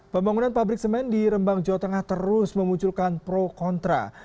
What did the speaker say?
pembangunan pabrik semen di rembang jawa tengah terus memunculkan pro kontra